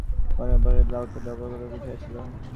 পরে সে রান্নাঘরের দাওয়া হইতে ব্যগ্রভাবে উঠিয়া আসিল।